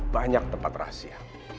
banyak tempat rahasia